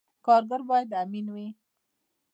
کارګر باید امین وي